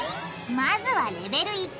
まずはレベル１。